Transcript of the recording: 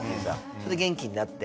それで元気になって。